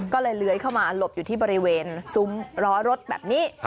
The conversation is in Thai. ก็เลยเลื้อยเข้ามาหลบอยู่ที่บริเวณซุ้มล้อรถแบบนี้